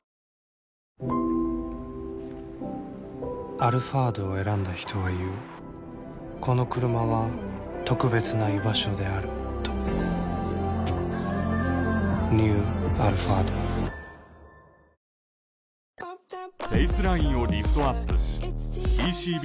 「アルファード」を選んだ人は言うこのクルマは特別な居場所であるとニュー「アルファード」叫びたくなる緑茶ってなんだ？